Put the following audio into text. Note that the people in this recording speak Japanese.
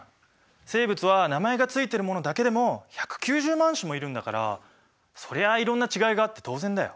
生物は名前が付いてるものだけでも１９０万種もいるんだからそりゃいろんな違いがあって当然だよ。